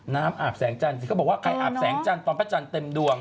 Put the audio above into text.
อาบแสงจันทร์สิเขาบอกว่าใครอาบแสงจันทร์ตอนพระจันทร์เต็มดวง